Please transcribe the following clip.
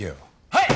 はい！